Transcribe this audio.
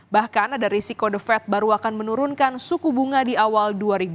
bahkan ada risiko the fed baru akan menurunkan suku bunga di awal dua ribu dua puluh